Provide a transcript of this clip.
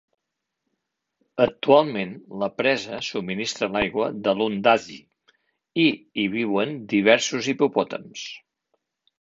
Actualment la presa subministra l'aigua de Lundazi i hi viuen diversos hipopòtams.